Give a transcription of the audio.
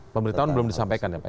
pemberitahuan belum disampaikan ya pak